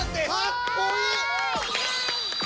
かっこいい！